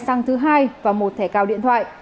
đạt đưa xăng thứ hai và một thẻ cao điện thoại